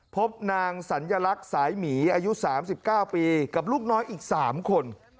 พบนางสัญลักษณ์สายหมีอายุ๓๙ปีกับลูกน้อยอีก๓คน